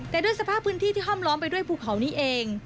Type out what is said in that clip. แต่ด้วยสภาพพื้นที่ที่ห้อมล้อมไปด้วยภูเขานี้เอง